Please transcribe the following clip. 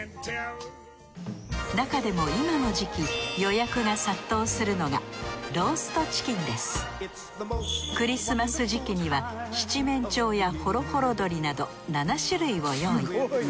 なかでも今の時期予約が殺到するのがクリスマス時期には七面鳥やホロホロ鳥など７種類を用意。